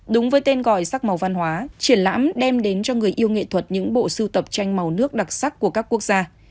đúng với tên gọi sắc màu văn hóa triển lãm đem đến cho người yêu nghệ thuật những bộ sưu tập tranh màu nước đặc sắc của các quốc gia